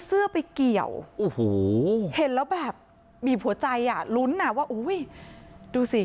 เสื้อไปเกี่ยวโอ้โหเห็นแล้วแบบบีบหัวใจอ่ะลุ้นอ่ะว่าอุ้ยดูสิ